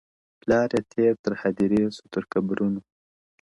پلار یې تېر تر هدیرې سو تر قبرونو٫